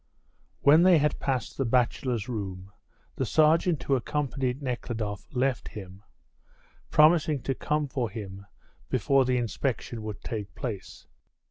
When they had passed the bachelors' room the sergeant who accompanied Nekhludoff left him, promising to come for him before the inspection would take place.